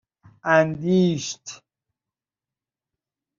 اندیشت